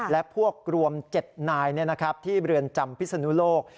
และพวกรวม๗นายที่เรือนจำพิศนุโลก